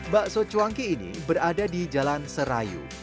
bakso cuangki ini berada di jalan serayu